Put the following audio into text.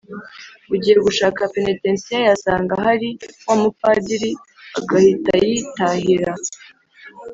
ugiye gushaka penetensiya yasanga hali wa mu padri agahitayitahira,